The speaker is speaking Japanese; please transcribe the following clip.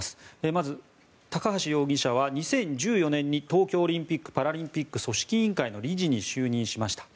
まず、高橋容疑者は２０１４年に東京オリンピック・パラリンピック組織委員会の理事に就任しました。